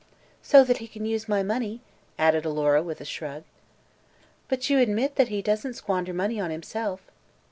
"So that he can use my money," added Alora, with a shrug. "But you admit that he doesn't squander money on himself."